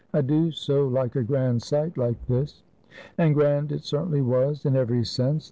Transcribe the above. I do so like a grand sight like this!" And grand it certainly was in every sense.